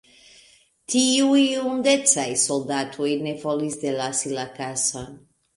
Tiuj hundecaj soldatoj ne volis delasi la kason.